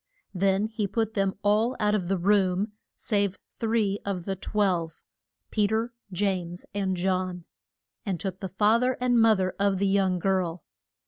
Then he put them all out of the room save three of the twelve Pe ter, James, and John and the fa ther and mo ther of the young girl.